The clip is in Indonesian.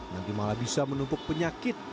nanti malah bisa menumpuk penyakit